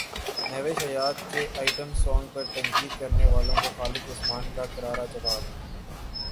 مہوش حیات کے item song پر تنقید کرنے والوں کو خالد عثمان کا کرارا جواب